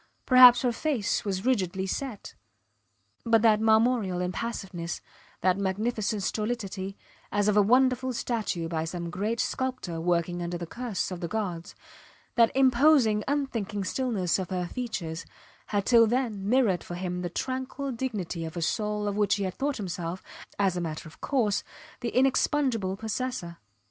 Perhaps her face was rigidly set but that marmoreal impassiveness, that magnificent stolidity, as of a wonderful statue by some great sculptor working under the curse of the gods; that imposing, unthinking stillness of her features, had till then mirrored for him the tranquil dignity of a soul of which he had thought himself as a matter of course the inexpugnable possessor.